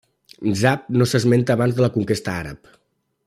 Mzab no s'esmenta abans de la conquesta àrab.